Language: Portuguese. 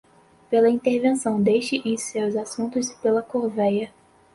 pela intervenção deste em seus assuntos e pela corveia